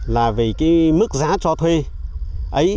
là vì cái mức giá cho thuê ấy